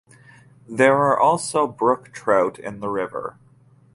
There are also brook trout in the river.